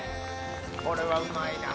これはうまいな。